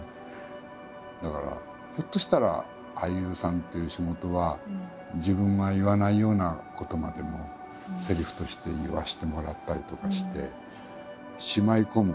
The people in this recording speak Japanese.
だからひょっとしたら俳優さんっていう仕事は自分が言わないようなことまでもセリフとして言わせてもらったりとかして。なんて思ったりもしますね。